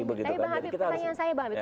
tapi pak habib pertanyaan saya